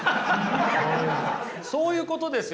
そういうことですよ。